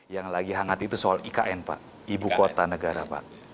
yang lagi hangat itu soal ikn pak ibu kota negara pak